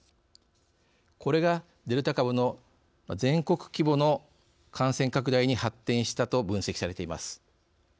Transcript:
これがデルタ株の全国規模の感染拡大に発展したと分析されています。